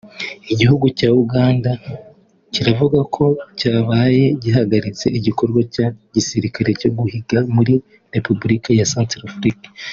Igihugu cya Uganda kiravuga ko cyabaye gihagaritse igikorwa cya gisirikare cyo guhiga muri Repubulika ya Centrafrique